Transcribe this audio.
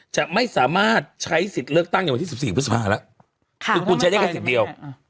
จะไม่สามารถใช้สิทธิ์เลือกตั้งในวันที่๑๔พฤษภาแล้วคือคุณใช้ได้แค่สิทธิ์เดียว